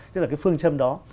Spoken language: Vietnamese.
tức là cái phương châm đó